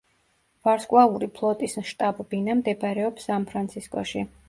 ვარსკვლავური ფლოტის შტაბ-ბინა მდებარეობს სან-ფრანცისკოში.